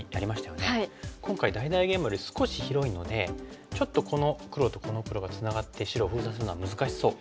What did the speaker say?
今回大々ゲイマより少し広いのでちょっとこの黒とこの黒がつながって白を封鎖するのは難しそう。